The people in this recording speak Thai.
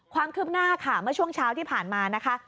ความคืบหน้าค่ะเมื่อช่วงเช้าที่ผ่านมานะคะ